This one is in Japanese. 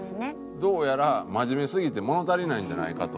どうやら真面目すぎて物足りないんじゃないかと？